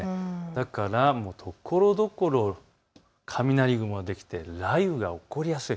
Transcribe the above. だから、ところどころ雷雲ができて雷雨が起こりやすい。